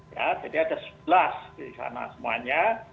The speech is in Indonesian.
ya jadi ada sebelas di sana semuanya